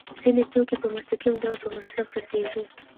ځینې توکي په مستقیم ډول په مصرف رسیږي.